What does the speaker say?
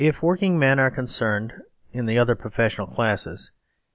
working men are concerned, in the other the professional class.